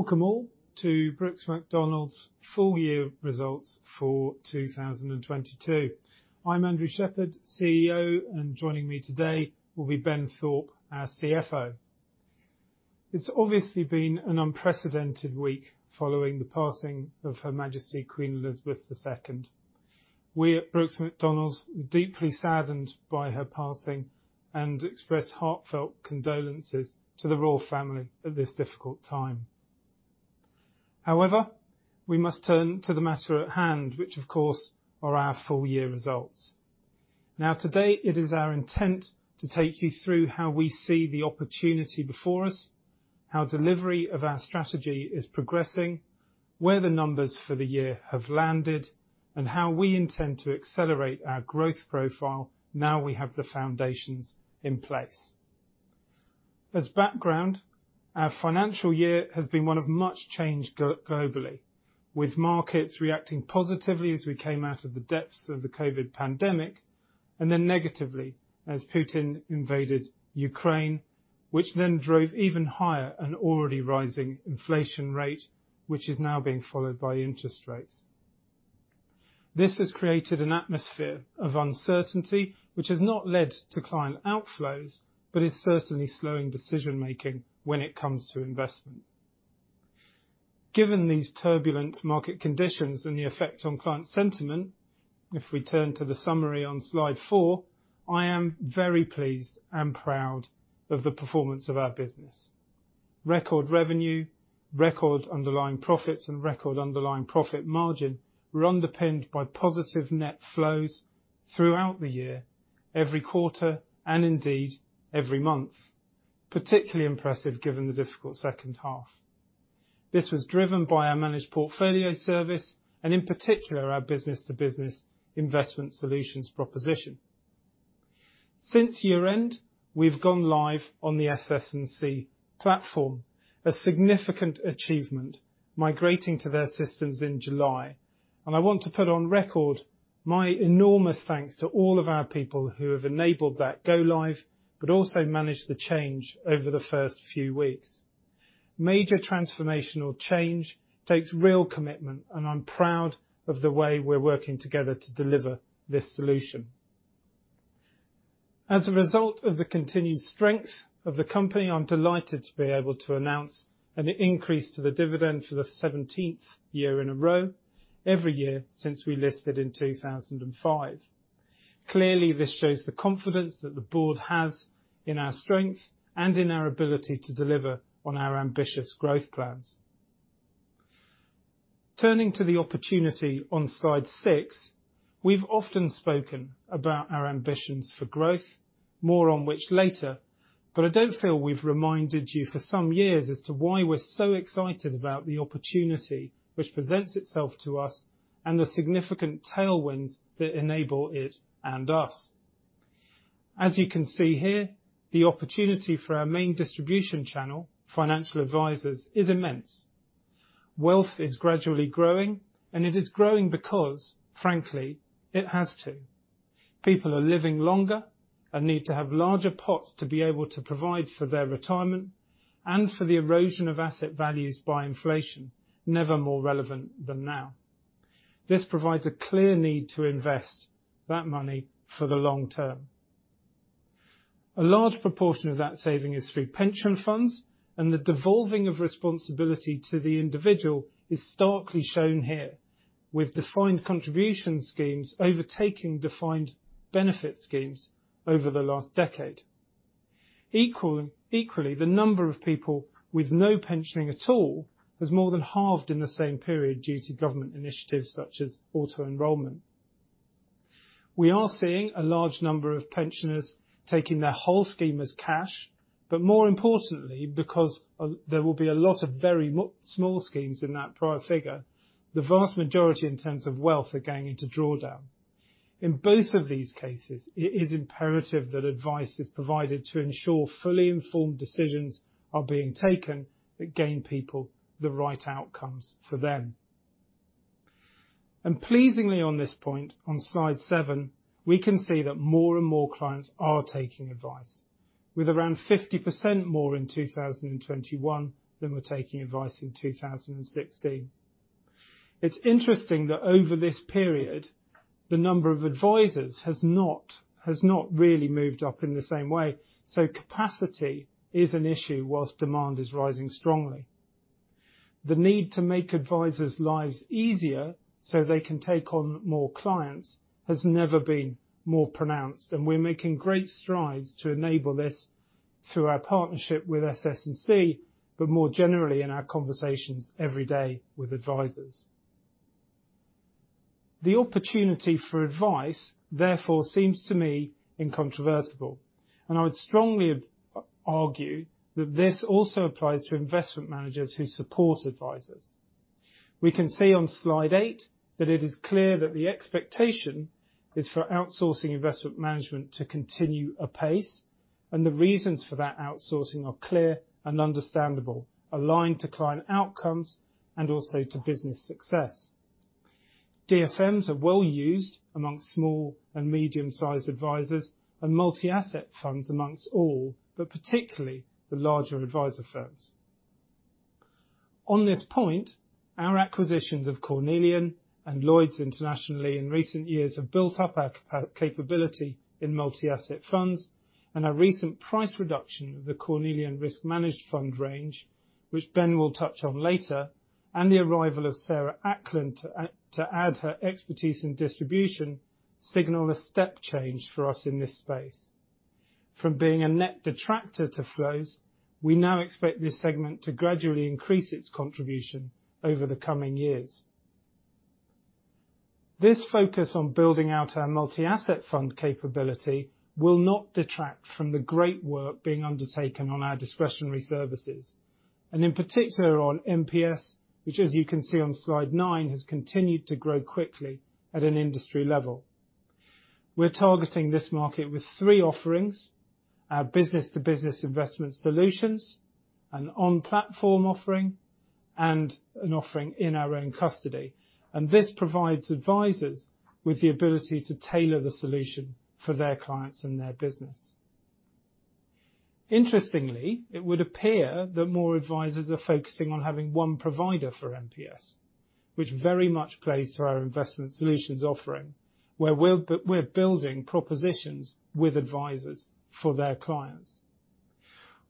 Welcome all to Brooks Macdonald's full year results for 2022. I'm Andrew Shepherd, CEO, and joining me today will be Ben Thorpe, our CFO. It's obviously been an unprecedented week following the passing of Her Majesty Queen Elizabeth II. We at Brooks Macdonald deeply saddened by her passing and express heartfelt condolences to the Royal family at this difficult time. However, we must turn to the matter at hand, which, of course, are our full year results. Now, today, it is our intent to take you through how we see the opportunity before us, how delivery of our strategy is progressing, where the numbers for the year have landed, and how we intend to accelerate our growth profile now we have the foundations in place. As background, our financial year has been one of much change globally, with markets reacting positively as we came out of the depths of the COVID pandemic, and then negatively as Putin invaded Ukraine, which then drove even higher an already rising inflation rate, which is now being followed by interest rates. This has created an atmosphere of uncertainty, which has not led to client outflows, but is certainly slowing decision-making when it comes to investment. Given these turbulent market conditions and the effect on client sentiment, if we turn to the summary on slide 4, I am very pleased and proud of the performance of our business. Record revenue, record underlying profits, and record underlying profit margin were underpinned by positive net flows throughout the year, every quarter, and indeed every month. Particularly impressive given the difficult H2. This was driven by our managed portfolio service and in particular, our business-to-business investment solutions proposition. Since year-end, we've gone live on the SS&C platform, a significant achievement, migrating to their systems in July. I want to put on record my enormous thanks to all of our people who have enabled that go live, but also managed the change over the first few weeks. Major transformational change takes real commitment, and I'm proud of the way we're working together to deliver this solution. As a result of the continued strength of the company, I'm delighted to be able to announce an increase to the dividend for the 17th year in a row every year since we listed in 2005. Clearly, this shows the confidence that the board has in our strength and in our ability to deliver on our ambitious growth plans. Turning to the opportunity on slide 6, we've often spoken about our ambitions for growth, more on which later, but I don't feel we've reminded you for some years as to why we're so excited about the opportunity which presents itself to us and the significant tailwinds that enable it and us. As you can see here, the opportunity for our main distribution channel, financial advisors, is immense. Wealth is gradually growing, and it is growing because, frankly, it has to. People are living longer and need to have larger pots to be able to provide for their retirement and for the erosion of asset values by inflation, never more relevant than now. This provides a clear need to invest that money for the long term. A large proportion of that saving is through pension funds, and the devolving of responsibility to the individual is starkly shown here with defined contribution schemes overtaking defined benefit schemes over the last decade. Equally, the number of people with no pension at all has more than halved in the same period due to government initiatives such as auto-enrollment. We are seeing a large number of pensioners taking their whole scheme as cash, but more importantly, because there will be a lot of very small schemes in that prior figure, the vast majority in terms of wealth are going into drawdown. In both of these cases, it is imperative that advice is provided to ensure fully informed decisions are being taken that gain people the right outcomes for them. Pleasingly on this point, on slide 7, we can see that more and more clients are taking advice with around 50% more in 2021 than were taking advice in 2016. It's interesting that over this period, the number of advisors has not really moved up in the same way, so capacity is an issue while demand is rising strongly. The need to make advisors' lives easier so they can take on more clients has never been more pronounced, and we're making great strides to enable this through our partnership with SS&C, but more generally in our conversations every day with advisors. The opportunity for advice, therefore, seems to me incontrovertible, and I would strongly argue that this also applies to investment managers who support advisors. We can see on slide 8 that it is clear that the expectation is for outsourcing investment management to continue apace, and the reasons for that outsourcing are clear and understandable, aligned to client outcomes and also to business success. DFMs are well used among small and medium-sized advisors, and multi-asset funds among all, but particularly the larger advisor firms. On this point, our acquisitions of Cornelian and Lloyds Bank International in recent years have built up our capability in multi-asset funds, and our recent price reduction of the Cornelian risk managed fund range, which Ben will touch on later, and the arrival of Sarah Ackland to add her expertise in distribution, signal a step change for us in this space. From being a net detractor to flows, we now expect this segment to gradually increase its contribution over the coming years. This focus on building out our multi-asset fund capability will not detract from the great work being undertaken on our discretionary services, and in particular on MPS, which, as you can see on slide nine, has continued to grow quickly at an industry level. We're targeting this market with three offerings, our business-to-business investment solutions, an on-platform offering, and an offering in our own custody. This provides advisors with the ability to tailor the solution for their clients and their business. Interestingly, it would appear that more advisors are focusing on having one provider for MPS, which very much plays to our investment solutions offering, where we're building propositions with advisors for their clients.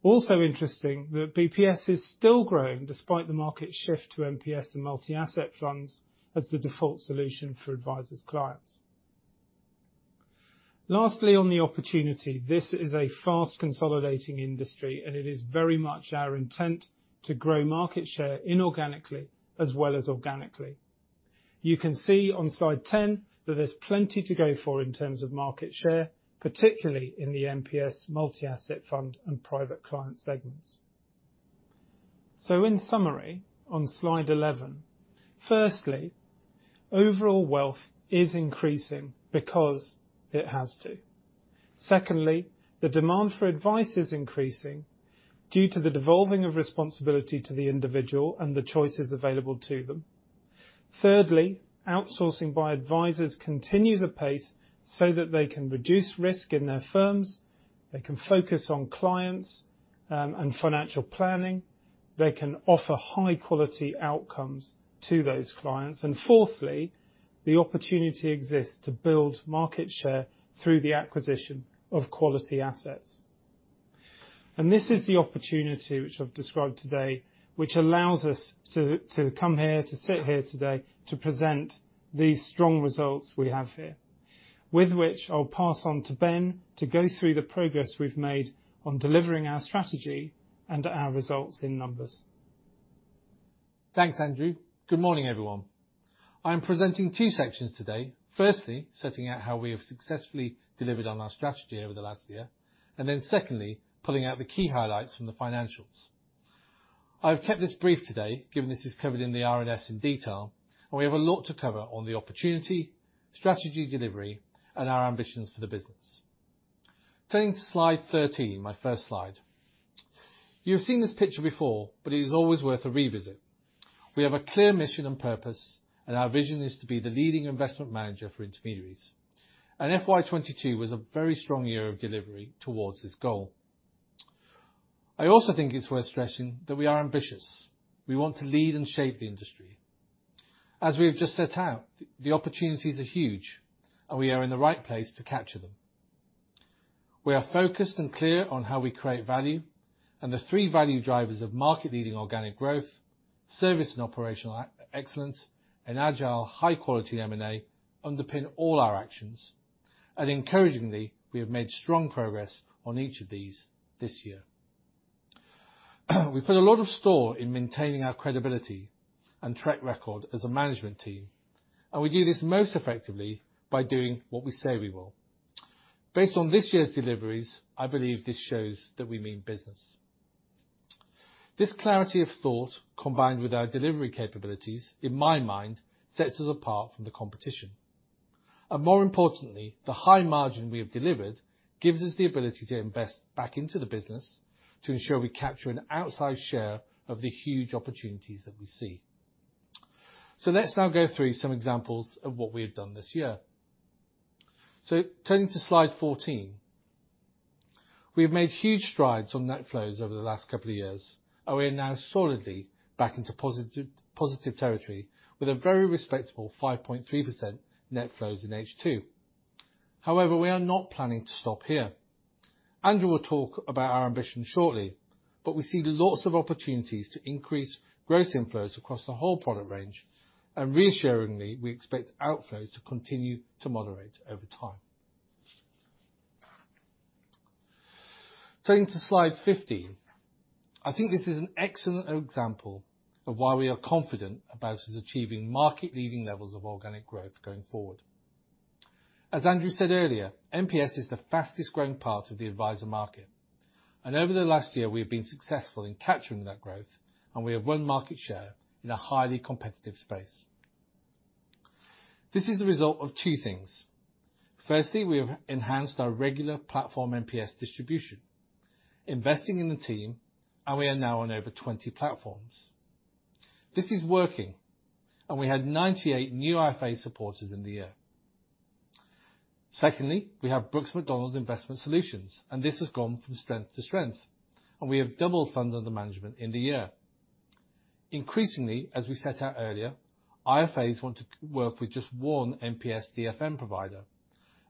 Also interesting that BPS is still growing despite the market shift to MPS and multi-asset funds as the default solution for advisors' clients. Lastly, on the opportunity. This is a fast-consolidating industry, and it is very much our intent to grow market share inorganically as well as organically. You can see on slide 10 that there's plenty to go for in terms of market share, particularly in the MPS multi-asset fund and private client segments. In summary, on slide 11, firstly, overall wealth is increasing because it has to. Secondly, the demand for advice is increasing due to the devolving of responsibility to the individual and the choices available to them. Thirdly, outsourcing by advisors continues apace so that they can reduce risk in their firms, they can focus on clients, and financial planning, they can offer high-quality outcomes to those clients. Fourthly, the opportunity exists to build market share through the acquisition of quality assets. This is the opportunity which I've described today, which allows us to come here, to sit here today, to present these strong results we have here, with which I'll pass on to Ben to go through the progress we've made on delivering our strategy and our results in numbers. Thanks, Andrew. Good morning, everyone. I'm presenting two sections today. Firstly, setting out how we have successfully delivered on our strategy over the last year, and then secondly, pulling out the key highlights from the financials. I've kept this brief today, given this is covered in the RNS in detail, and we have a lot to cover on the opportunity, strategy delivery, and our ambitions for the business. Turning to slide 13, my first slide. You've seen this picture before, but it is always worth a revisit. We have a clear mission and purpose, and our vision is to be the leading investment manager for intermediaries. FY 2022 was a very strong year of delivery towards this goal. I also think it's worth stressing that we are ambitious. We want to lead and shape the industry. As we have just set out, the opportunities are huge, and we are in the right place to capture them. We are focused and clear on how we create value, and the three value drivers of market-leading organic growth, service and operational excellence, and agile, high quality M&A underpin all our actions. Encouragingly, we have made strong progress on each of these this year. We put a lot of store in maintaining our credibility and track record as a management team, and we do this most effectively by doing what we say we will. Based on this year's deliveries, I believe this shows that we mean business. This clarity of thought, combined with our delivery capabilities, in my mind, sets us apart from the competition. More importantly, the high margin we have delivered gives us the ability to invest back into the business to ensure we capture an outsized share of the huge opportunities that we see. Let's now go through some examples of what we have done this year. Turning to slide 14, we have made huge strides on net flows over the last couple of years, and we are now solidly back into positive territory with a very respectable 5.3% net flows in H2. However, we are not planning to stop here. Andrew will talk about our ambition shortly, but we see lots of opportunities to increase gross inflows across the whole product range, and reassuringly, we expect outflows to continue to moderate over time. Turning to slide 15, I think this is an excellent example of why we are confident about us achieving market-leading levels of organic growth going forward. As Andrew said earlier, MPS is the fastest-growing part of the advisor market, and over the last year we have been successful in capturing that growth, and we have won market share in a highly competitive space. This is the result of two things. Firstly, we have enhanced our regular platform MPS distribution. Investing in the team, and we are now on over 20 platforms. This is working, and we had 98 new IFA supporters in the year. Secondly, we have Brooks Macdonald Investment Solutions, and this has gone from strength to strength, and we have doubled funds under management in the year. Increasingly, as we set out earlier, IFAs want to work with just one MPS DFM provider.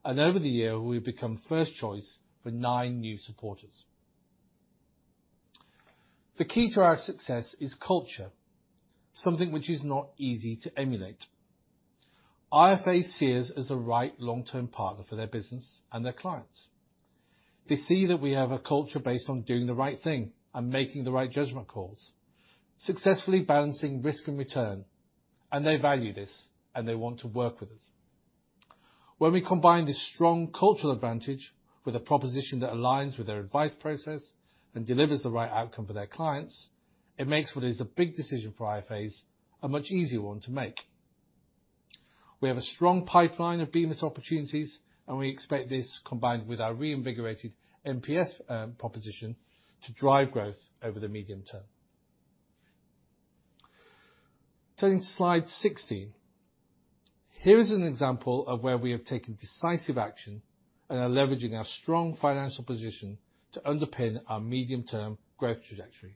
Over the year, we've become first choice for nine new supporters. The key to our success is culture, something which is not easy to emulate. IFAs see us as a right long-term partner for their business and their clients. They see that we have a culture based on doing the right thing and making the right judgment calls, successfully balancing risk and return, and they value this, and they want to work with us. When we combine this strong cultural advantage with a proposition that aligns with their advice process and delivers the right outcome for their clients, it makes what is a big decision for IFAs a much easier one to make. We have a strong pipeline of BMIS opportunities, and we expect this, combined with our reinvigorated MPS proposition, to drive growth over the medium term. Turning to slide 16, here is an example of where we have taken decisive action and are leveraging our strong financial position to underpin our medium-term growth trajectory.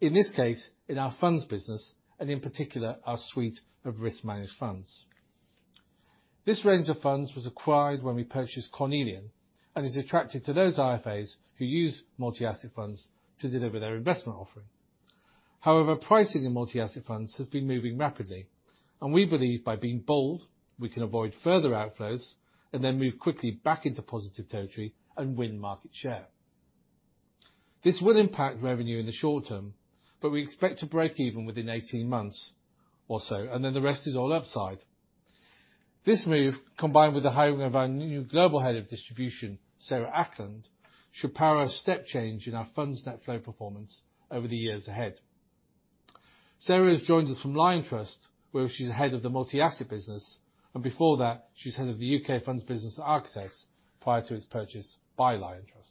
In this case, in our funds business, and in particular, our suite of risk-managed funds. This range of funds was acquired when we purchased Cornelian and is attractive to those IFAs who use multi-asset funds to deliver their investment offering. However, pricing in multi-asset funds has been moving rapidly, and we believe by being bold, we can avoid further outflows and then move quickly back into positive territory and win market share. This will impact revenue in the short term, but we expect to break even within 18 months or so, and then the rest is all upside. This move, combined with the hiring of our new Global Head of Distribution, Sarah Ackland, should power a step change in our funds net flow performance over the years ahead. Sarah has joined us from Liontrust, where she's the head of the multi-asset business, and before that, she was head of the U.K. funds business, Architas, prior to its purchase by Liontrust.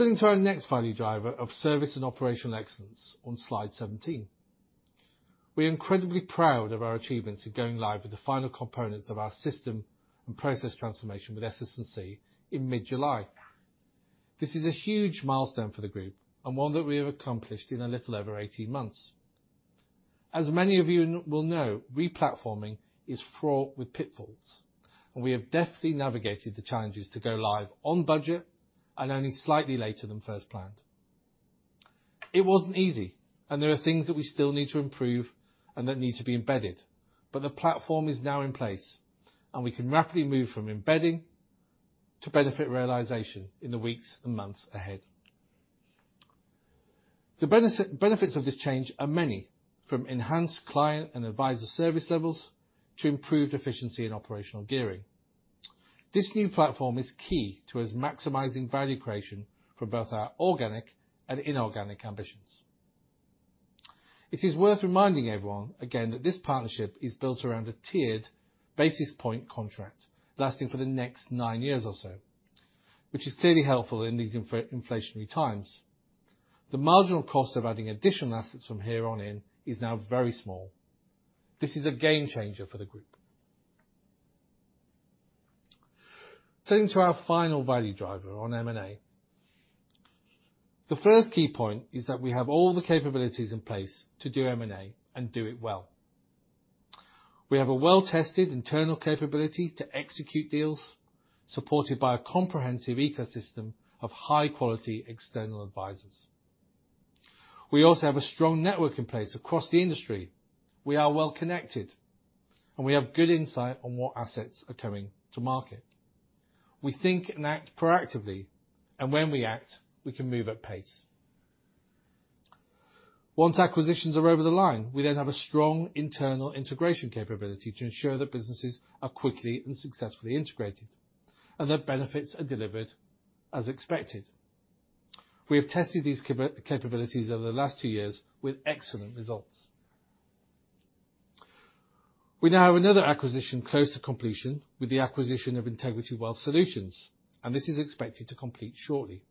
Turning to our next value driver of service and operational excellence on slide 17. We're incredibly proud of our achievements in going live with the final components of our system and process transformation with SS&C in mid-July. This is a huge milestone for the group and one that we have accomplished in a little over 18 months. As many of you will know, replatforming is fraught with pitfalls, and we have deftly navigated the challenges to go live on budget and only slightly later than first planned. It wasn't easy, and there are things that we still need to improve and that need to be embedded. The platform is now in place, and we can rapidly move from embedding to benefit realization in the weeks and months ahead. The benefits of this change are many, from enhanced client and advisor service levels to improved efficiency in operational gearing. This new platform is key to us maximizing value creation for both our organic and inorganic ambitions. It is worth reminding everyone again that this partnership is built around a tiered basis point contract lasting for the next nine years or so, which is clearly helpful in these inflationary times. The marginal cost of adding additional assets from here on in is now very small. This is a game changer for the group. Turning to our final value driver on M&A. The first key point is that we have all the capabilities in place to do M&A and do it well. We have a well-tested internal capability to execute deals, supported by a comprehensive ecosystem of high-quality external advisors. We also have a strong network in place across the industry. We are well connected, and we have good insight on what assets are coming to market. We think and act proactively, and when we act, we can move at pace. Once acquisitions are over the line, we then have a strong internal integration capability to ensure that businesses are quickly and successfully integrated and that benefits are delivered as expected. We have tested these capabilities over the last two years with excellent results. We now have another acquisition close to completion with the acquisition of Integrity Wealth Solutions, and this is expected to complete shortly.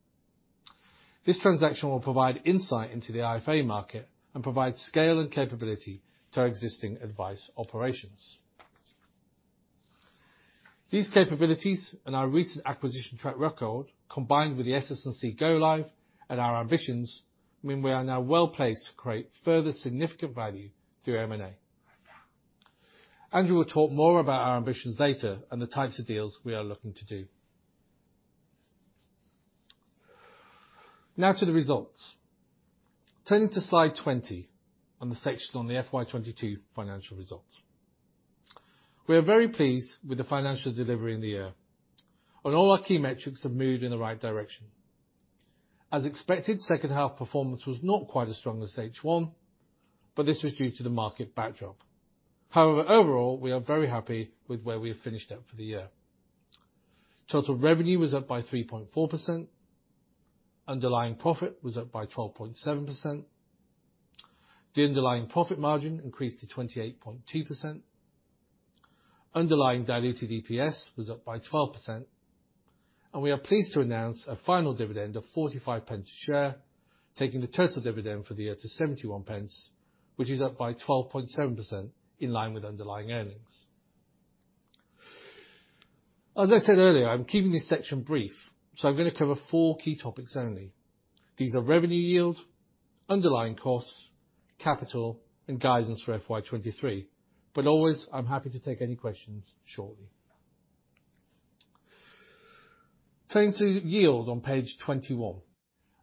This transaction will provide insight into the IFA market and provide scale and capability to our existing advice operations. These capabilities and our recent acquisition track record, combined with the SS&C go live and our ambitions, mean we are now well placed to create further significant value through M&A. Andrew will talk more about our ambitions later and the types of deals we are looking to do. Now to the results. Turning to slide 20 on the section on the FY 2022 financial results. We are very pleased with the financial delivery in the year, and all our key metrics have moved in the right direction. As expected, H2 performance was not quite as strong as H1, but this was due to the market backdrop. However, overall, we are very happy with where we have finished up for the year. Total revenue was up by 3.4%. Underlying profit was up by 12.7%. The underlying profit margin increased to 28.2%. Underlying diluted EPS was up by 12%. We are pleased to announce a final dividend of 0.45 a share, taking the total dividend for the year to 0.71, which is up by 12.7%, in line with underlying earnings. As I said earlier, I'm keeping this section brief, so I'm gonna cover four key topics only. These are revenue yield, underlying costs, capital, and guidance for FY 2023. Always, I'm happy to take any questions shortly. Turning to yield on page 21.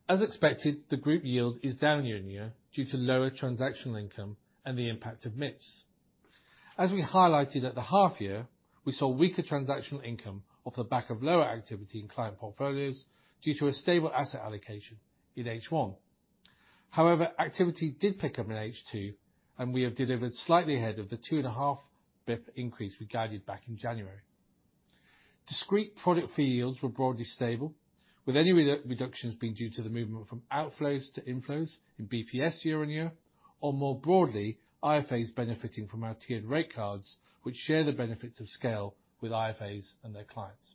As expected, the group yield is down year-on-year due to lower transactional income and the impact of MiFID. As we highlighted at the half year, we saw weaker transactional income off the back of lower activity in client portfolios due to a stable asset allocation in H1. However, activity did pick up in H2, and we have delivered slightly ahead of the 2.5 basis point increase we guided back in January. Discrete product fee yields were broadly stable, with any reductions being due to the movement from outflows to inflows in basis points year-on-year or more broadly, IFAs benefiting from our tiered rate cards, which share the benefits of scale with IFAs and their clients.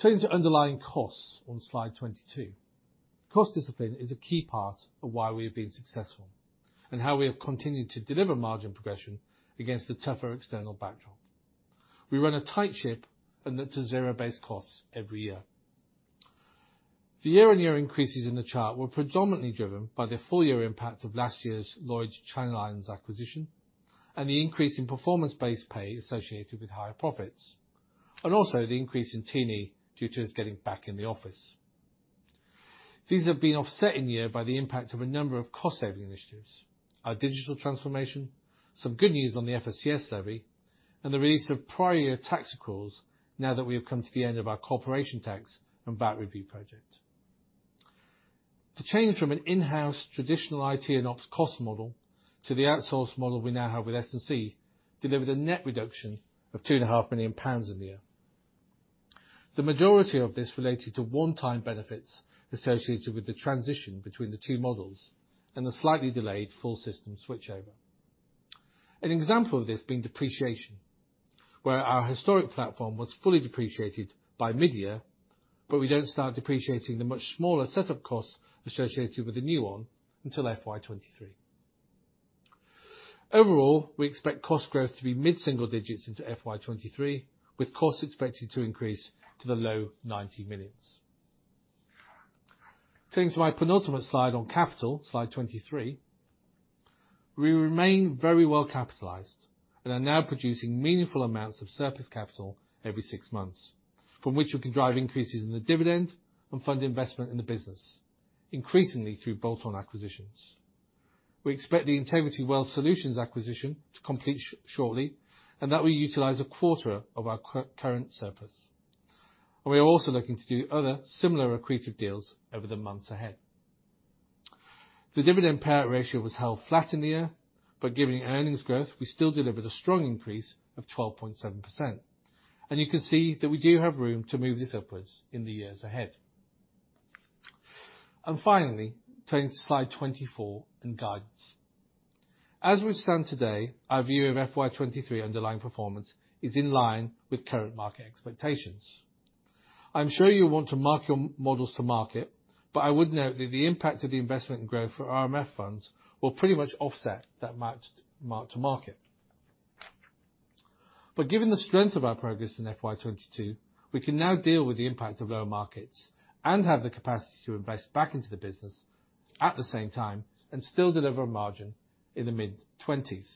Turning to underlying costs on slide 22. Cost discipline is a key part of why we have been successful, and how we have continued to deliver margin progression against a tougher external backdrop. We run a tight ship and look to zero-based costs every year. The year-on-year increases in the chart were predominantly driven by the full year impact of last year's Lloyds Channel Islands acquisition, and the increase in performance-based pay associated with higher profits, and also the increase in T&E due to us getting back in the office. These have been offset in year by the impact of a number of cost saving initiatives, our digital transformation, some good news on the FSCS Levy, and the release of prior year tax accruals now that we have come to the end of our corporation tax and VAT review project. To change from an in-house traditional IT and ops cost model to the outsource model we now have with SS&C, delivered a net reduction of two and a half million pounds in the year. The majority of this related to one-time benefits associated with the transition between the two models and the slightly delayed full system switchover. An example of this being depreciation, where our historic platform was fully depreciated by mid-year, but we don't start depreciating the much smaller set of costs associated with the new one until FY 2023. Overall, we expect cost growth to be mid-single digits into FY 2023, with costs expected to increase to the low 90 million. Turning to my penultimate slide on capital, slide 23. We remain very well capitalized and are now producing meaningful amounts of surplus capital every six months, from which we can drive increases in the dividend and fund investment in the business, increasingly through bolt-on acquisitions. We expect the Integrity Wealth Solutions acquisition to complete shortly, and that will utilize a quarter of our current surplus. We are also looking to do other similar accretive deals over the months ahead. The dividend payout ratio was held flat in the year, but giving earnings growth, we still delivered a strong increase of 12.7%. You can see that we do have room to move this upwards in the years ahead. Finally, turning to slide 24 in guidance. As we stand today, our view of FY 2023 underlying performance is in line with current market expectations. I'm sure you want to mark your models to market, but I would note that the impact of the investment and growth for RMF funds will pretty much offset that mark-to-market. Given the strength of our progress in FY 2022, we can now deal with the impact of lower markets and have the capacity to invest back into the business at the same time and still deliver a margin in the mid-20s.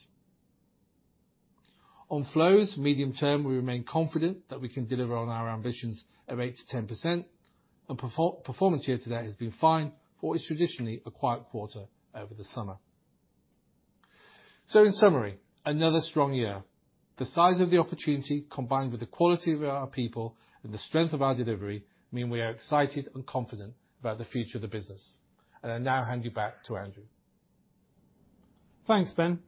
On flows, medium term, we remain confident that we can deliver on our ambitions of 8%-10%. Performance year to date has been fine for what is traditionally a quiet quarter over the summer. In summary, another strong year. The size of the opportunity, combined with the quality of our people and the strength of our delivery, mean we are excited and confident about the future of the business. I now hand you back to Andrew. Thanks, Ben.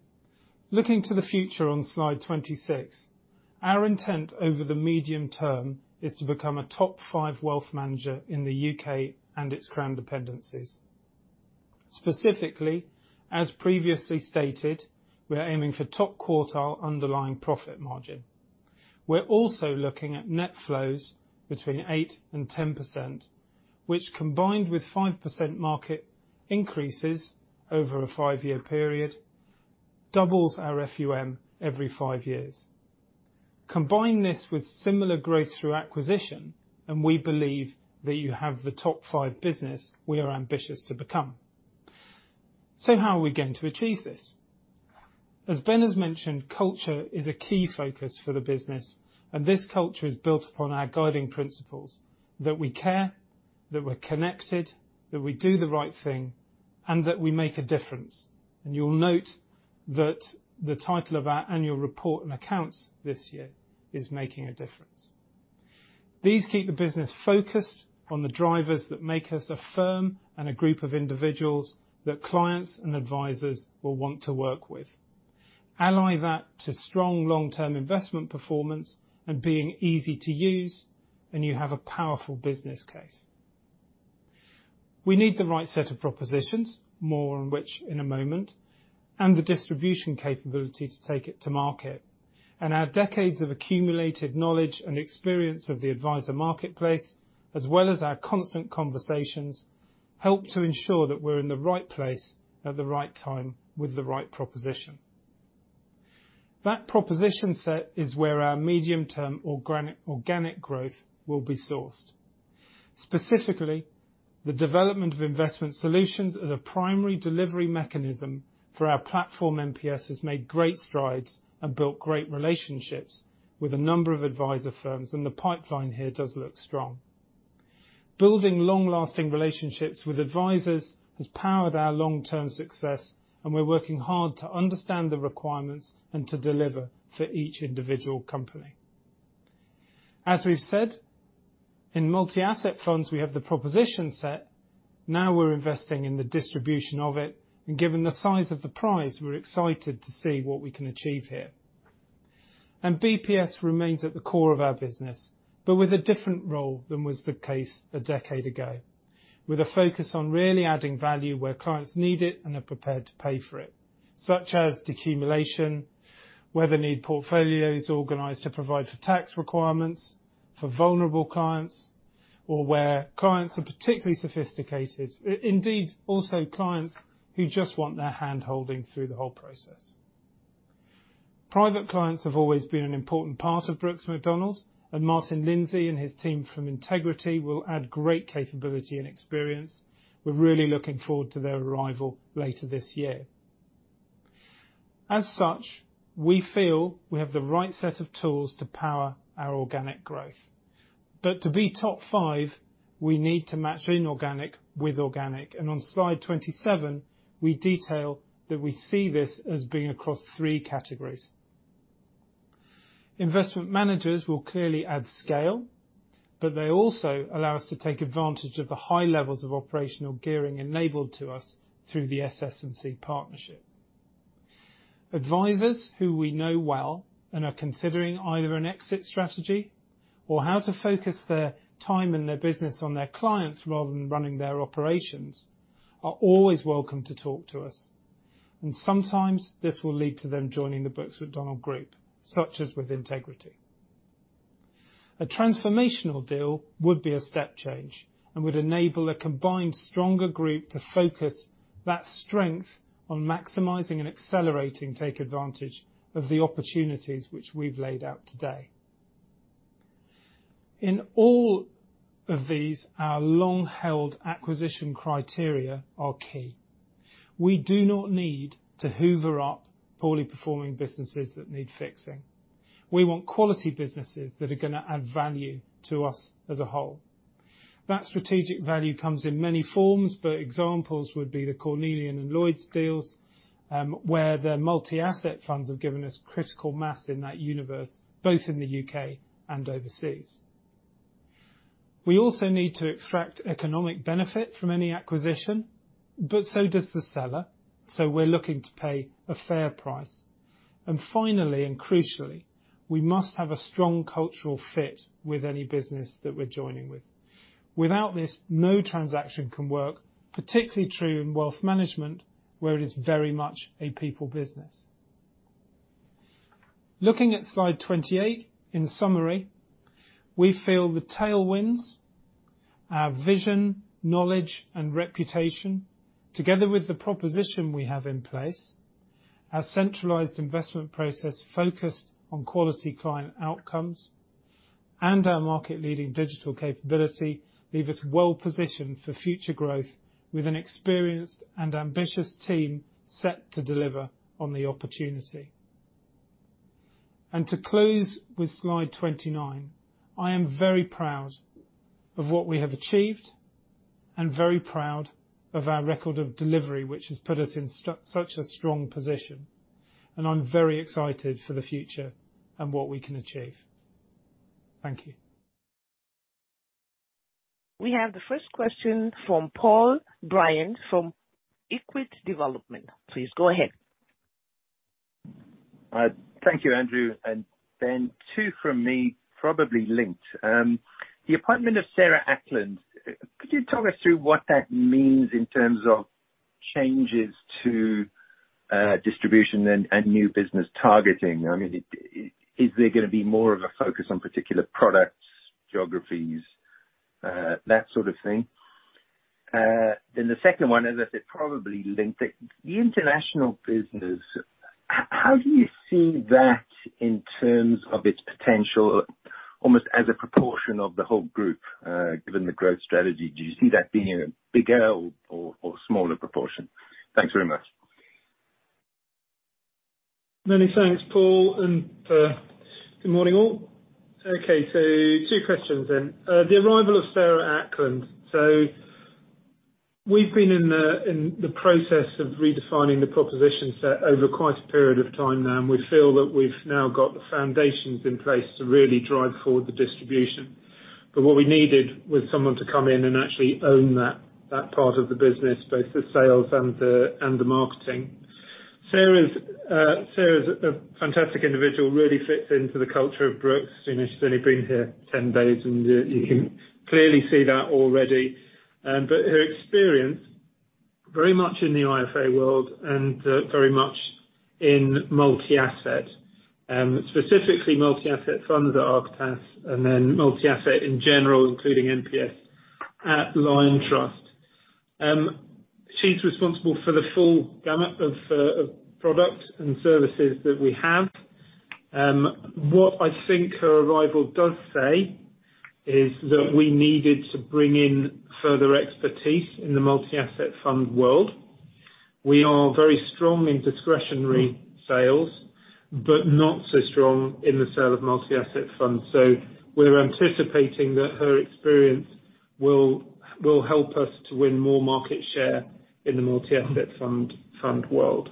Looking to the future on slide 26, our intent over the medium term is to become a top five wealth manager in the U.K. and its Crown dependencies. Specifically, as previously stated, we are aiming for top quartile underlying profit margin. We're also looking at net flows between 8% and 10%, which combined with 5% market increases over a five-year period, doubles our FUM every five years. Combine this with similar growth through acquisition, and we believe that you have the top five business we are ambitious to become. How are we going to achieve this? As Ben has mentioned, culture is a key focus for the business, and this culture is built upon our guiding principles, that we care, that we're connected, that we do the right thing, and that we make a difference. You'll note that the title of our annual report and accounts this year is Making a Difference. These keep the business focused on the drivers that make us a firm and a group of individuals that clients and advisors will want to work with. Ally that to strong long-term investment performance and being easy to use, and you have a powerful business case. We need the right set of propositions, more on which in a moment, and the distribution capability to take it to market. Our decades of accumulated knowledge and experience of the advisor marketplace, as well as our constant conversations, help to ensure that we're in the right place at the right time with the right proposition. That proposition set is where our medium-term organic growth will be sourced. Specifically, the development of investment solutions as a primary delivery mechanism for our platform MPS has made great strides and built great relationships with a number of advisor firms, and the pipeline here does look strong. Building long-lasting relationships with advisors has powered our long-term success, and we're working hard to understand the requirements and to deliver for each individual company. As we've said, in multi-asset funds, we have the proposition set. Now we're investing in the distribution of it, and given the size of the prize, we're excited to see what we can achieve here. BPS remains at the core of our business, but with a different role than was the case a decade ago, with a focus on really adding value where clients need it and are prepared to pay for it, such as decumulation, where they need portfolios organized to provide for tax requirements, for vulnerable clients, or where clients are particularly sophisticated. Indeed, also clients who just want their hand-holding through the whole process. Private clients have always been an important part of Brooks Macdonald, and Martin Lindsey and his team from Integrity will add great capability and experience. We're really looking forward to their arrival later this year. As such, we feel we have the right set of tools to power our organic growth. To be top five, we need to match inorganic with organic. On slide 27, we detail that we see this as being across three categories. Investment managers will clearly add scale, but they also allow us to take advantage of the high levels of operational gearing enabled to us through the SS&C partnership. Advisors who we know well and are considering either an exit strategy or how to focus their time and their business on their clients rather than running their operations are always welcome to talk to us. Sometimes this will lead to them joining the Brooks Macdonald Group, such as with Integrity. A transformational deal would be a step change and would enable a combined stronger group to focus that strength on maximizing and accelerating take advantage of the opportunities which we've laid out today. In all of these, our long-held acquisition criteria are key. We do not need to hoover up poorly performing businesses that need fixing. We want quality businesses that are gonna add value to us as a whole. That strategic value comes in many forms, but examples would be the Cornelian and Lloyds deals, where their multi-asset funds have given us critical mass in that universe, both in the U.K. and overseas. We also need to extract economic benefit from any acquisition, but so does the seller. We're looking to pay a fair price. Finally, and crucially, we must have a strong cultural fit with any business that we're joining with. Without this, no transaction can work, particularly true in wealth management, where it is very much a people business. Looking at slide 28, in summary, we feel the tailwinds, our vision, knowledge and reputation, together with the proposition we have in place, our centralized investment process focused on quality client outcomes, and our market-leading digital capability leave us well positioned for future growth with an experienced and ambitious team set to deliver on the opportunity. To close with slide 29, I am very proud of what we have achieved and very proud of our record of delivery, which has put us in such a strong position. I'm very excited for the future and what we can achieve. Thank you. We have the first question from Paul Bryant from Equity Development. Please go ahead. Thank you, Andrew. Two from me, probably linked. The appointment of Sarah Ackland, could you talk us through what that means in terms of changes to distribution and new business targeting? I mean, is there gonna be more of a focus on particular products, geographies, that sort of thing? The second one is, as I said, probably linked. The international business, how do you see that in terms of its potential, almost as a proportion of the whole group, given the growth strategy? Do you see that being in a bigger or smaller proportion? Thanks very much. Many thanks, Paul, and good morning, all. Okay, two questions then. The arrival of Sarah Ackland. We've been in the process of redefining the proposition set over quite a period of time now, and we feel that we've now got the foundations in place to really drive forward the distribution. What we needed was someone to come in and actually own that part of the business, both the sales and the marketing. Sarah's a fantastic individual, really fits into the culture of Brooks. You know, she's only been here 10 days, and you can clearly see that already. Her experience, very much in the IFA world and, very much in multi-asset, specifically multi-asset funds at Architas, and then multi-asset in general, including MPS at Liontrust. She's responsible for the full gamut of product and services that we have. What I think her arrival does say is that we needed to bring in further expertise in the multi-asset fund world. We are very strong in discretionary sales, but not so strong in the sale of multi-asset funds. We're anticipating that her experience will help us to win more market share in the multi-asset fund world.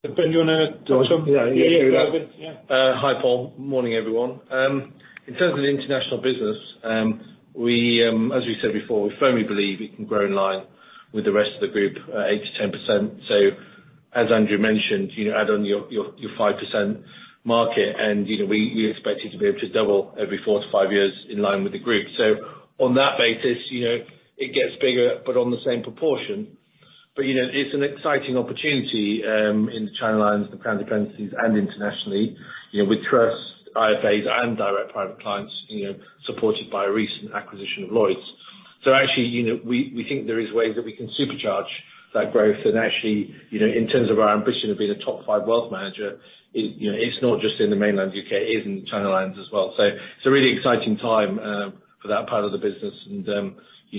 Ben, you wanna talk some? Yeah. Yeah, yeah. Go ahead. Yeah. Hi, Paul. Morning, everyone. In terms of the international business, as we said before, we firmly believe we can grow in line with the rest of the group, 8%-10%. As Andrew mentioned, you know, add on your 5% market, and, you know, we expect it to be able to double every four-five years in line with the group. On that basis, you know, it gets bigger, but on the same proportion. You know, it's an exciting opportunity in the Channel Islands, the Crown Dependencies, and internationally. You know, with trust, IFAs and direct private clients, you know, supported by recent acquisition of Lloyds. Actually, you know, we think there is ways that we can supercharge that growth. Actually, you know, in terms of our ambition to be the top five wealth manager, you know, it's not just in the mainland U.K., it is in the Channel Islands as well. It's a really exciting time for that part of the business. You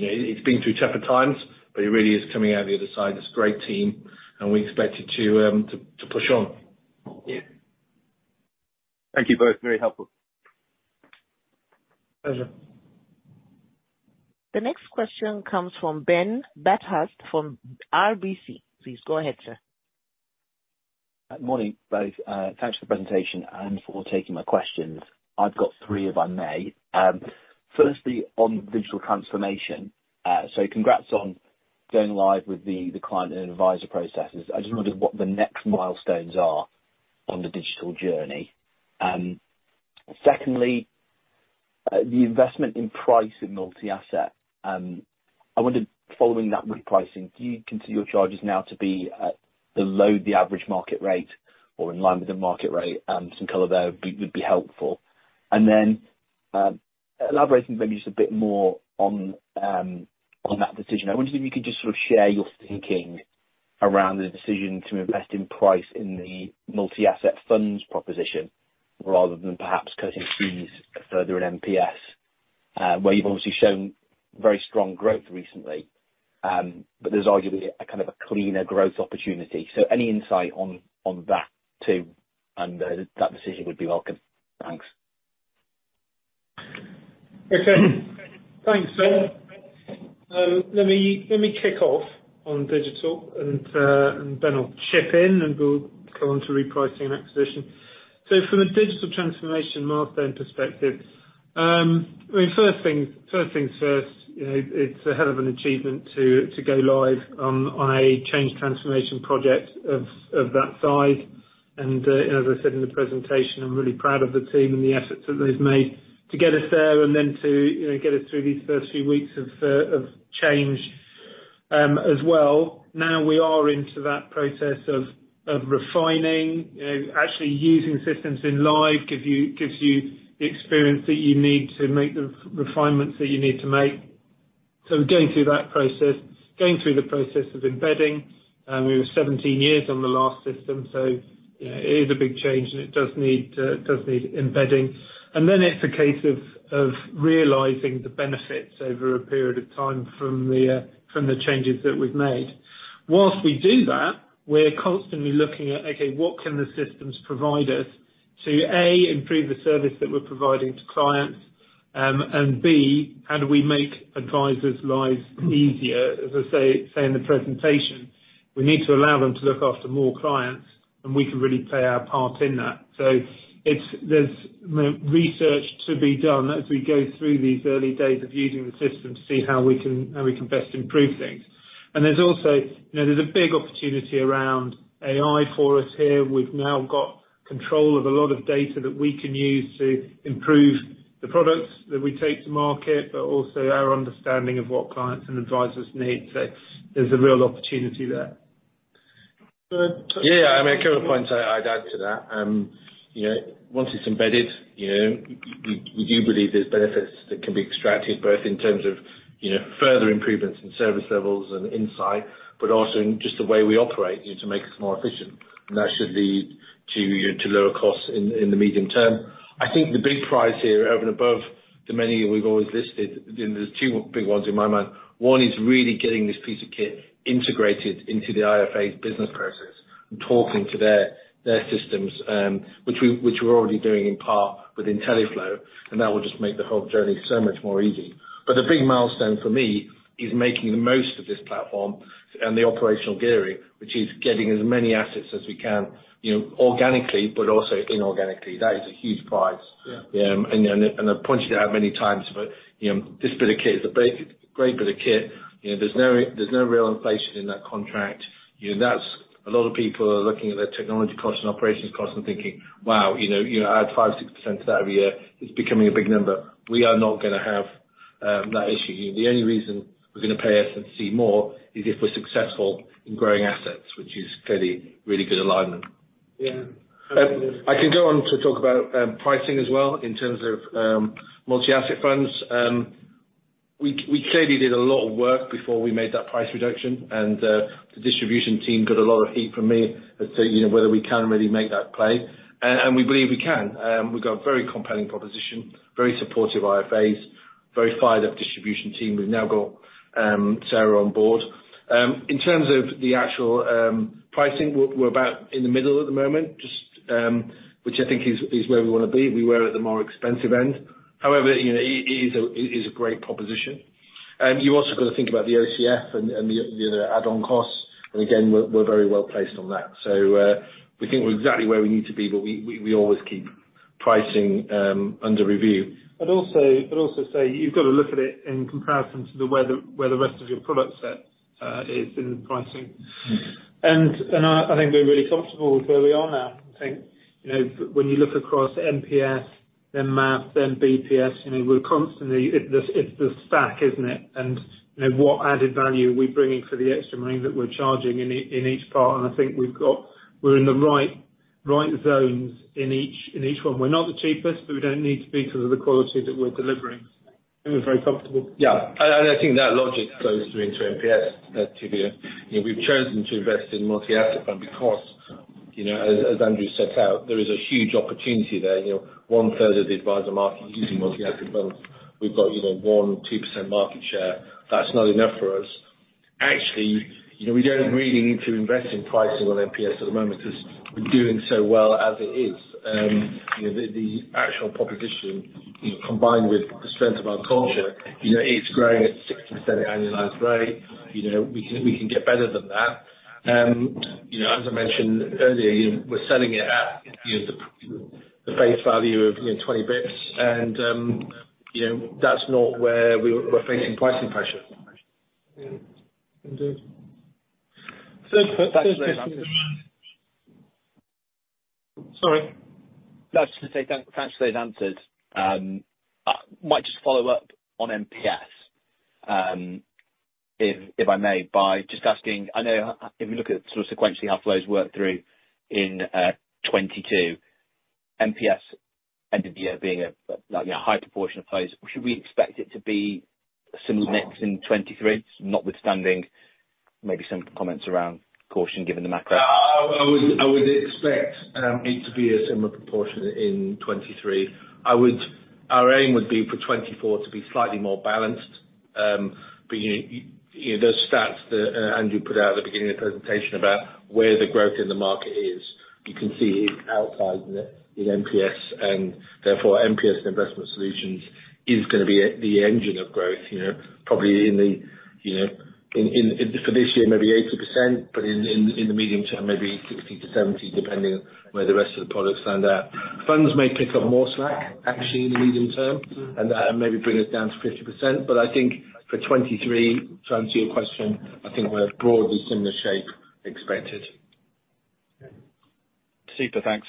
know, it's been through tougher times, but it really is coming out the other side. It's a great team, and we expect it to push on. Yeah. Thank you both. Very helpful. Pleasure. The next question comes from Ben Bathurst from RBC. Please go ahead, sir. Morning, both. Thanks for the presentation and for taking my questions. I've got three, if I may. Firstly, on digital transformation. So congrats on going live with the client and advisor processes. I just wondered what the next milestones are on the digital journey. Secondly, the investments pricing in multi-asset. I wondered, following that repricing, do you consider your charges now to be at below the average market rate or in line with the market rate? Some color there would be helpful. Then, elaborating maybe just a bit more on that decision. I wondered if you could just sort of share your thinking around the decision to invest in price in the multi-asset funds proposition, rather than perhaps cutting fees further in MPS, where you've obviously shown very strong growth recently, but there's arguably a kind of a cleaner growth opportunity. Any insight on that too and that decision would be welcome. Thanks. Okay. Thanks, Ben. Let me kick off on digital and Ben will chip in, and we'll go on to repricing and acquisition. From a digital transformation milestone perspective, first things first, you know, it's a hell of an achievement to go live on a change transformation project of that size. As I said in the presentation, I'm really proud of the team and the efforts that they've made to get us there and then to you know, get us through these first few weeks of change as well. Now we are into that process of refining. You know, actually using systems in live gives you the experience that you need to make the refinements that you need to make. We're going through that process. Going through the process of embedding. We were 17 years on the last system, so, you know, it is a big change and it does need embedding. Then it's a case of realizing the benefits over a period of time from the changes that we've made. While we do that, we're constantly looking at, okay, what can the systems provide us to, A, improve the service that we're providing to clients, and B, how do we make advisors' lives easier? As I say in the presentation, we need to allow them to look after more clients, and we can really play our part in that. It's research to be done as we go through these early days of using the system to see how we can best improve things. There's also, you know, there's a big opportunity around AI for us here. We've now got control of a lot of data that we can use to improve the products that we take to market, but also our understanding of what clients and advisors need. There's a real opportunity there. Ben? Yeah. I mean, a couple points I'd add to that. You know, once it's embedded, you know, we do believe there's benefits that can be extracted, both in terms of, you know, further improvements in service levels and insight, but also in just the way we operate, you know, to make us more efficient. That should lead to, you know, lower costs in the medium term. I think the big prize here over and above the many we've always listed, you know, there's two big ones in my mind. One is really getting this piece of kit integrated into the IFA's business process and talking to their systems, which we're already doing in part with intelliflo, and that will just make the whole journey so much more easy. But the big milestone for me is making the most of this platform and the operational gearing, which is getting as many assets as we can, you know, organically, but also inorganically. That is a huge prize. Yeah. I pointed it out many times, but you know, this bit of kit is a great bit of kit. You know, there's no real inflation in that contract. You know, that's a lot of people are looking at their technology costs and operations costs and thinking, "Wow, you know, you add 5%-6% to that every year, it's becoming a big number." We are not gonna have that issue. The only reason we're gonna pay SS&C more is if we're successful in growing assets, which is fairly, really good alignment. Yeah. I can go on to talk about pricing as well in terms of multi-asset funds. We clearly did a lot of work before we made that price reduction, and the distribution team got a lot of heat from me as to whether we can really make that play. We believe we can. We've got a very compelling proposition, very supportive IFAs, very fired up distribution team. We've now got Sarah on board. In terms of the actual pricing, we're about in the middle at the moment, just which I think is where we wanna be. We were at the more expensive end. However, you know, it is a great proposition. You've also got to think about the OCF and the add-on costs. Again, we're very well placed on that. We think we're exactly where we need to be, but we always keep pricing under review. I'd also say you've got to look at it in comparison to where the rest of your product set is in pricing. Mm-hmm. I think we're really comfortable with where we are now. I think, you know, when you look across MPS, then MAP, then BPS, you know, we're constantly. It's the stack, isn't it? You know, what added value are we bringing for the extra money that we're charging in each part? I think we've got. We're in the right zones in each one. We're not the cheapest, but we don't need to be because of the quality that we're delivering. We're very comfortable. Yeah. I think that logic flows through into MPS. You know, we've chosen to invest in multi-asset fund because, you know, as Andrew set out, there is a huge opportunity there. You know, 1/3 of the advisor market using multi-asset funds. We've got, you know, 1%-2% market share. That's not enough for us. Actually, you know, we don't really need to invest in pricing on MPS at the moment 'cause we're doing so well as it is. You know, the actual proposition, you know, combined with the strength of our culture, you know, it's growing at 60% annualized rate. You know, we can get better than that. You know, as I mentioned earlier, you know, we're selling it at, you know, the face value of, you know, 20 basis points and, you know, that's not where we're facing pricing pressure. Yeah. Indeed. For today's answers. Thanks for those answers. Sorry? No, I was just gonna say thanks for those answers. I might just follow up on MPS, if I may, by just asking. I know if we look at sort of sequentially how flows work through in 2022, MPS end of year being like a high proportion of flows, should we expect it to be a similar mix in 2023, notwithstanding maybe some comments around caution given the macro? I would expect it to be a similar proportion in 2023. Our aim would be for 2024 to be slightly more balanced. You know those stats that Andrew put out at the beginning of the presentation about where the growth in the market is, you can see it's outside the, in MPS, and therefore, MPS Investment Solutions is gonna be the engine of growth, you know. Probably in the, you know, in, for this year, maybe 80%, but in the medium term, maybe 60%-70%, depending where the rest of the products land at. Funds may pick up more slack actually in the medium term, and that may bring us down to 50%. I think for 2023, to answer your question, I think we're broadly similar shape expected. Yeah. Super. Thanks.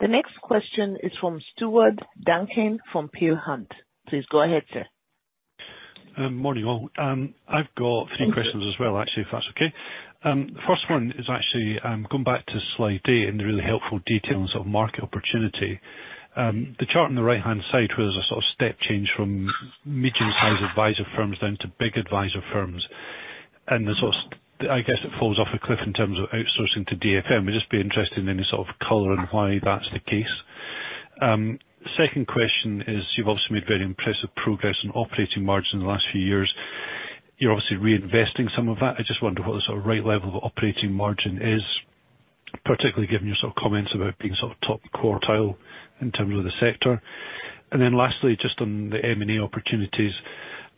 The next question is from Stuart Duncan from Peel Hunt. Please go ahead, sir. Morning, all. I've got three questions. Thank you. As well actually, if that's okay. The first one is actually, I'm going back to slide 8 and the really helpful details of market opportunity. The chart on the right-hand side where there's a sort of step change from medium-sized advisor firms down to big advisor firms, and I guess it falls off a cliff in terms of outsourcing to DFM. I'd just be interested in any sort of color on why that's the case. Second question is you've obviously made very impressive progress on operating margin in the last few years. You're obviously reinvesting some of that. I just wonder what the sort of right level of operating margin is, particularly given your sort of comments about being sort of top quartile in terms of the sector. Lastly, just on the M&A opportunities,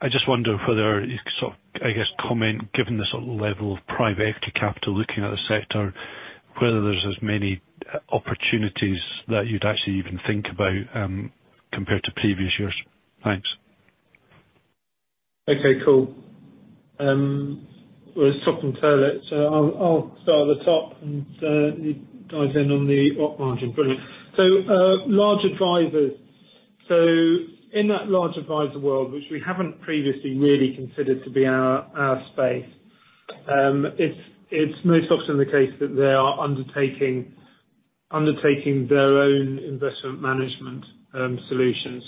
I just wonder whether you can sort of, I guess, comment, given the sort of level of private equity capital looking at the sector, whether there's as many opportunities that you'd actually even think about, compared to previous years. Thanks. Okay, cool. We'll swap until it. I'll start at the top, and you dive in on the op margin. Brilliant. Large advisors. In that large advisor world, which we haven't previously really considered to be our space, it's most often the case that they are undertaking their own investment management solutions.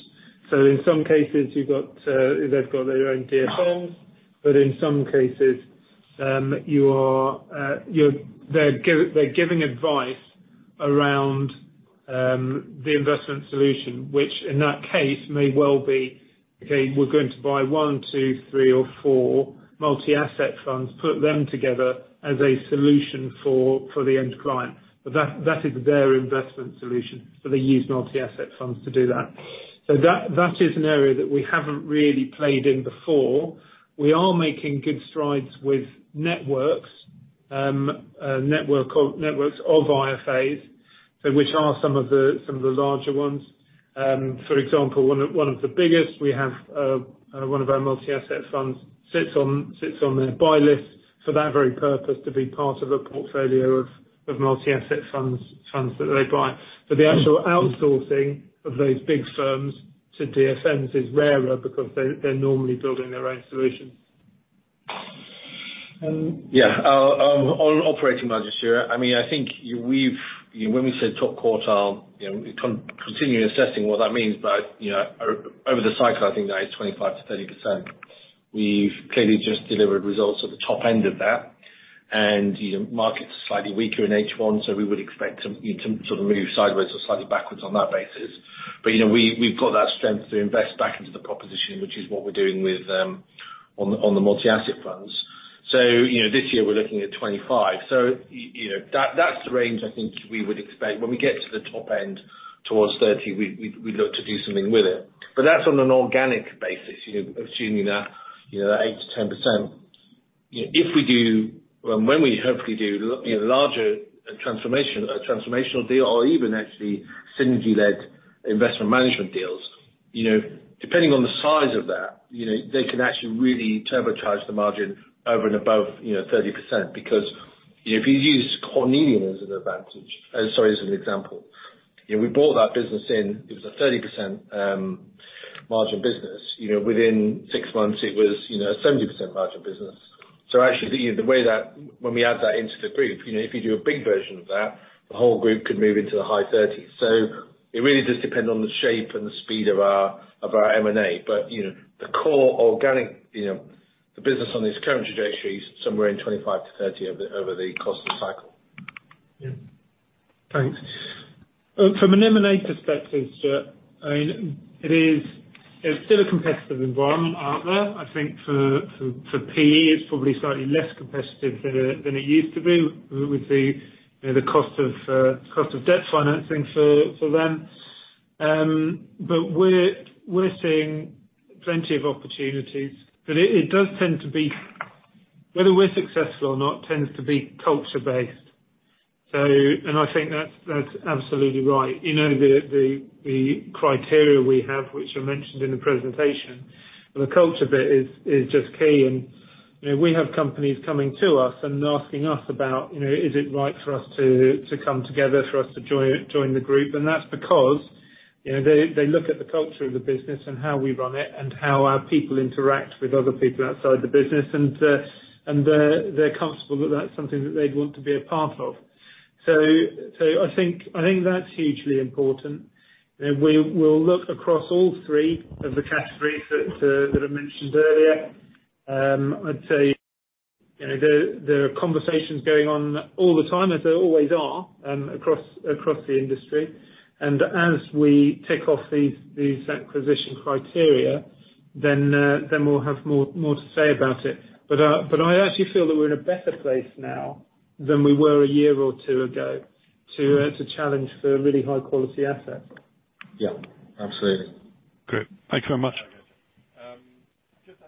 In some cases they've got their own DFMs, but in some cases, they're giving advice around the investment solution, which in that case may well be. Okay, we're going to buy one, two, three or four multi-asset funds, put them together as a solution for the end client. That is their investment solution. They use multi-asset funds to do that. That is an area that we haven't really played in before. We are making good strides with networks of IFAs, which are some of the larger ones. For example, one of the biggest we have, one of our multi-asset funds sits on their buy list for that very purpose, to be part of a portfolio of multi-asset funds that they buy. The actual outsourcing of those big firms to DFMs is rarer because they're normally building their own solutions. On operating margins here, I mean, I think we've. You know, when we said top quartile, you know, continue assessing what that means. You know, over the cycle, I think that is 25%-30%. We've clearly just delivered results at the top end of that. You know, markets are slightly weaker in H1, so we would expect to sort of move sideways or slightly backwards on that basis. You know, we've got that strength to invest back into the proposition, which is what we're doing with on the multi-asset funds. You know, this year we're looking at 25%. You know, that's the range I think we would expect. When we get to the top end towards 30%, we'd look to do something with it. That's on an organic basis, you know, assuming that, you know, that 8%-10%. If we do, when we hopefully do a larger transformational deal or even actually synergy-led investment management deals, you know, depending on the size of that, you know, they can actually really turbocharge the margin over and above, you know, 30%. Because if you use Cornelian as an example, you know, we bought that business and it was a 30% margin business. You know, within six months it was, you know, 70% margin business. So actually the way that, when we add that into the group, you know, if you do a big version of that, the whole group could move into the high 30s. So it really does depend on the shape and the speed of our M&A. You know, the core organic, you know, the business on this current trajectory is somewhere in 25-30 over the course of the cycle. Yeah. Thanks. From an M&A perspective, I mean, it is, it's still a competitive environment out there. I think for PE, it's probably slightly less competitive than it used to be with the, you know, the cost of debt financing for them. But we're seeing plenty of opportunities. It does tend to be whether we're successful or not, tends to be culture-based. I think that's absolutely right. You know, the criteria we have, which are mentioned in the presentation, and the culture bit is just key. You know, we have companies coming to us and asking us about, you know, "Is it right for us to come together, for us to join the group?" That's because, you know, they look at the culture of the business and how we run it, and how our people interact with other people outside the business. They're comfortable that that's something that they'd want to be a part of. I think that's hugely important. We'll look across all three of the categories that I mentioned earlier. I'd say, you know, there are conversations going on all the time as there always are, across the industry. As we tick off these acquisition criteria, then we'll have more to say about it. I actually feel that we're in a better place now than we were a year or two ago to challenge for really high quality assets. Yeah. Absolutely. Great. Thanks very much. Um, just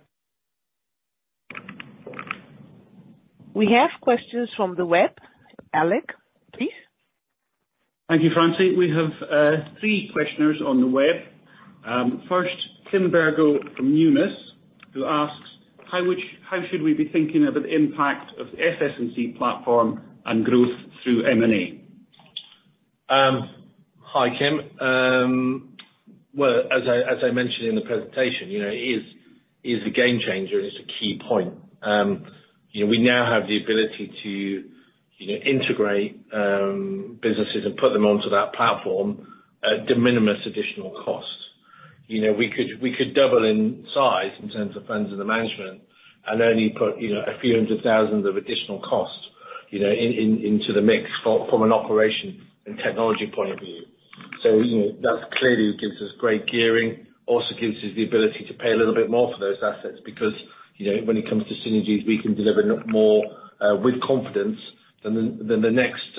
a- We have questions from the web. Alick, please. Thank you, Francine. We have three questioners on the web. First, Kim Virgo from Numis who asks, "How should we be thinking of an impact of SS&C platform and growth through M&A? Hi, Kim. Well, as I mentioned in the presentation, you know, it is a game changer and it's a key point. You know, we now have the ability to, you know, integrate businesses and put them onto that platform at de minimis additional cost. You know, we could double in size in terms of funds under management and only put, you know, GBP a few hundred thousand additional costs into the mix from an operation and technology point of view. That clearly gives us great gearing, also gives us the ability to pay a little bit more for those assets because, you know, when it comes to synergies, we can deliver more with confidence than the next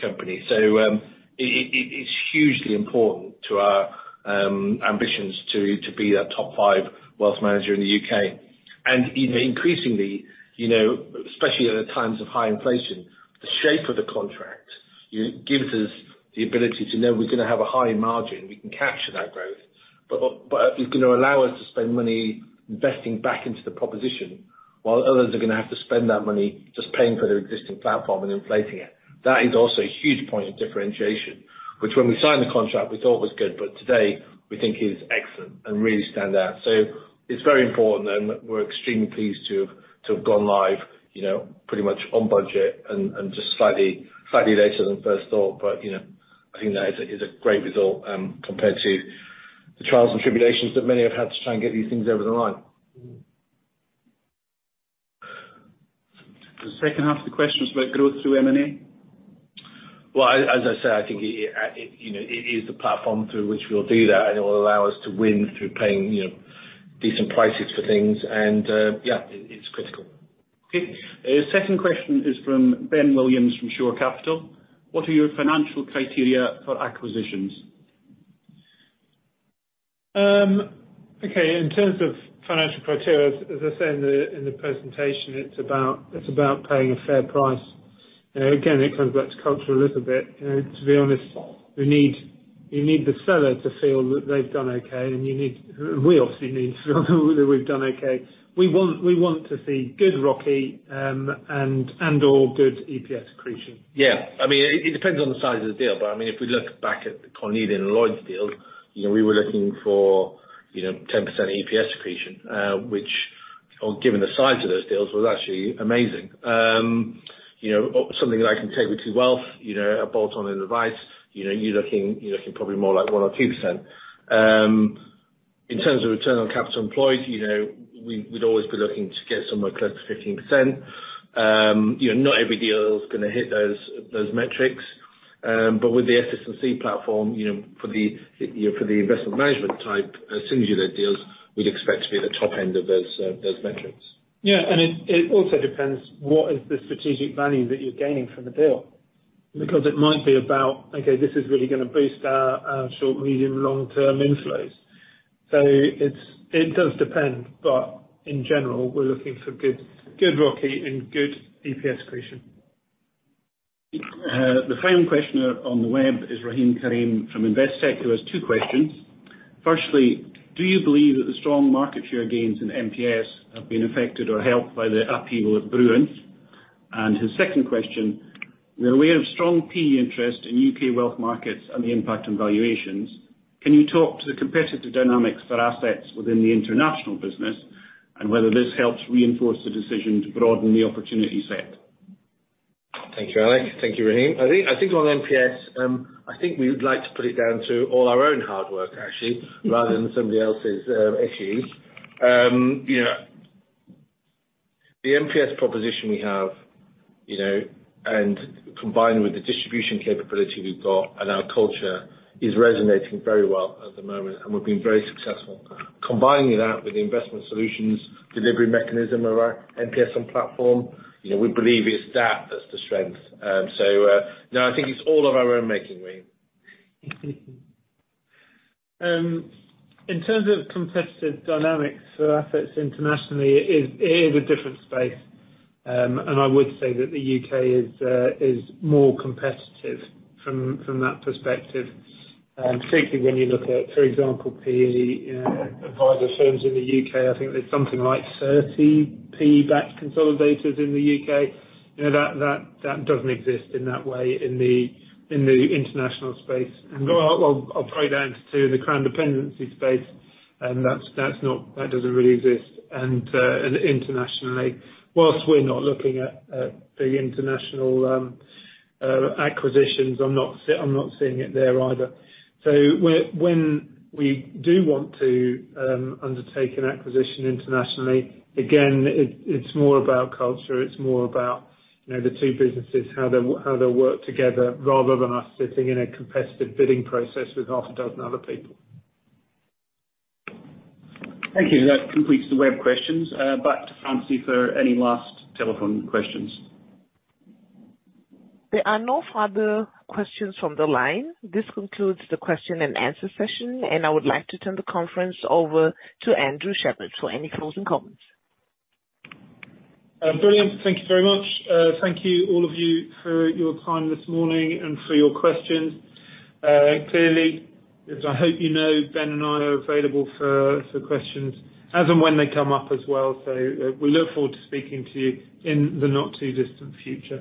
company. It's hugely important to our ambitions to be a top five wealth manager in the U.K. You know, increasingly, you know, especially at times of high inflation, the shape of the contract gives us the ability to know we're gonna have a high margin, we can capture that growth. It's gonna allow us to spend money investing back into the proposition, while others are gonna have to spend that money just paying for their existing platform and inflating it. That is also a huge point of differentiation, which when we signed the contract, we thought was good, but today we think is excellent and really stand out. It's very important, and we're extremely pleased to have gone live, you know, pretty much on budget and just slightly later than first thought. You know, I think that is a great result compared to the trials and tribulations that many have had to try and get these things over the line. The H2 of the question was about growth through M&A. Well, as I said, I think it, you know, it is the platform through which we'll do that, and it will allow us to win through paying, you know, decent prices for things and, yeah, it's critical. Okay. Second question is from Ben Williams from Shore Capital. What are your financial criteria for acquisitions? Okay, in terms of financial criteria, as I said in the presentation, it's about paying a fair price. You know, again, it comes back to culture a little bit. You know, to be honest, you need the seller to feel that they've done okay, and we obviously need to feel that we've done okay. We want to see good ROCE, and/or good EPS accretion. Yeah. I mean, it depends on the size of the deal. I mean, if we look back at the Cornelian and Lloyds deal, you know, we were looking for, you know, 10% EPS accretion, which, given the size of those deals, was actually amazing. You know, something like Integrity Wealth, you know, a bolt-on and advice, you know, you're looking probably more like 1% or 2%. In terms of return on capital employed, you know, we'd always be looking to get somewhere close to 15%. You know, not every deal is gonna hit those metrics. With the SS&C platform, you know, for the investment management type synergy deals, we'd expect to be at the top end of those metrics. Yeah. It also depends what is the strategic value that you're gaining from the deal. Because it might be about, okay, this is really gonna boost our short, medium, long-term inflows. It does depend, but in general, we're looking for good ROCE and good EPS accretion. The final questioner on the web is Rahim Karim from Investec, who has two questions. Firstly, do you believe that the strong market share gains in MPS have been affected or helped by the upheaval at Brewin? And his second question: We are aware of strong PE interest in U.K. wealth markets and the impact on valuations. Can you talk to the competitive dynamics for assets within the international business, and whether this helps reinforce the decision to broaden the opportunity set? Thank you, Aleck. Thank you, Rahim. I think on MPS, we would like to put it down to all our own hard work actually, rather than somebody else's issues. You know, the MPS proposition we have, you know, and combined with the distribution capability we've got and our culture, is resonating very well at the moment, and we've been very successful. Combining that with the investment solutions delivery mechanism of our MPS and platform, you know, we believe it's that that's the strength. No, I think it's all of our own making, Rahim. In terms of competitive dynamics for assets internationally, it is a different space. I would say that the U.K. is more competitive from that perspective, particularly when you look at, for example, PE advisor firms in the U.K. I think there's something like 30 PE backed consolidators in the U.K. You know, that doesn't exist in that way in the international space. I'll drill down to the Crown Dependency space, and that doesn't really exist. Internationally, while we're not looking at big international acquisitions, I'm not seeing it there either. When we do want to undertake an acquisition internationally, again, it's more about culture, it's more about, you know, the two businesses, how they'll work together, rather than us sitting in a competitive bidding process with half a dozen other people. Thank you. That completes the web questions. Back to Francine for any last telephone questions. There are no further questions from the line. This concludes the question and answer session, and I would like to turn the conference over to Andrew Shepherd for any closing comments. Brilliant. Thank you very much. Thank you all of you for your time this morning and for your questions. Clearly, as I hope you know, Ben and I are available for questions as and when they come up as well. We look forward to speaking to you in the not too distant future.